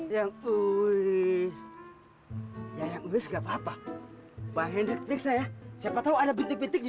yang uis ya ya nggak papa bahan elektrik saya siapa tahu ada bintik bintik di